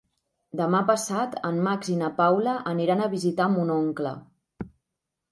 Demà passat en Max i na Paula aniran a visitar mon oncle.